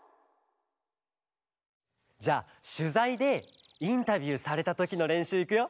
じゃあしゅざいでインタビューされたときのれんしゅういくよ？